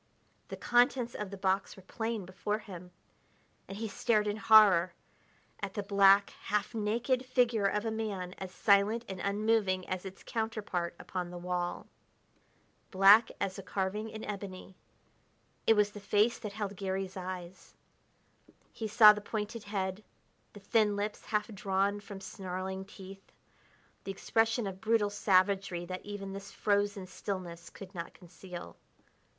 The contents of the box were plain before him and he stared in horror at the black, half naked figure of a man as silent and unmoving as its counterpart upon the wall. Black as a carving in ebony, it was the face that held Garry's eyes. He saw the pointed head, the thin lips half drawn from snarling teeth, the expression of brutal savagery that even this frozen stillness could not conceal.